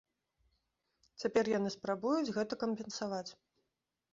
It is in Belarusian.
Цяпер яны спрабуюць гэта кампенсаваць.